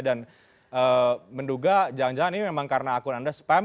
dan menduga jangan jangan ini memang karena akun anda spam